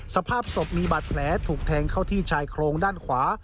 สภาพศพมีบาดแผลถูกแทงเข้าที่ชายโครงด้านขวา